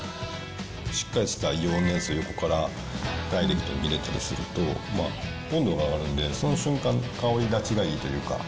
しっかりした湯温のやつ横からダイレクトに入れたりすると、温度が上がるんで、その瞬間、香り立ちがいいというか。